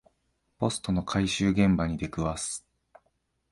ポストの回収現場に出くわす